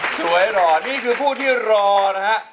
หล่อนี่คือผู้ที่รอนะฮะ